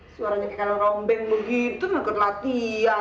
suaranya kayak kalorombeng begitu mengikuti latihan